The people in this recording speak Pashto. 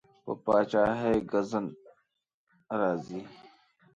په پادشاهۍ ګزند راځي.